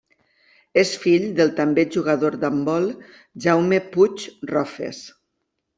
És fill del també jugador d'handbol Jaume Puig Rofes.